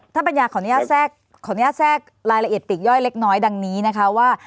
ปัญญาขออนุญาตแทรกขออนุญาตแทรกรายละเอียดปีกย่อยเล็กน้อยดังนี้นะคะว่า